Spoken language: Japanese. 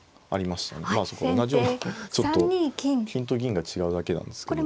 まあそうか同じようなちょっと金と銀が違うだけなんですね。